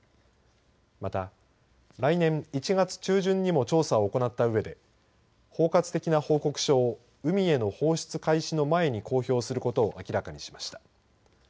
また、来年１月中旬にも調査を行ったうえで包括的な報告書を海への放出開始の前に公表することを明らかにしました。